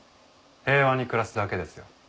平和に暮らすだけですよ。